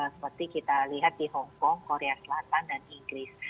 seperti kita lihat di hongkong korea selatan dan inggris